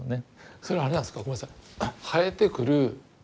それはあれなんですかごめんなさい生えてくる。